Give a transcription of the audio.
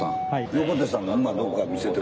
横手さん。